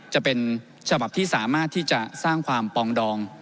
จะเป็นฉบับที่สามารถที่จะสร้างความปองดอง